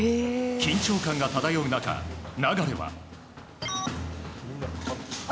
緊張感が漂う中、流は。